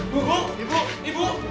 bu bu ibu ibu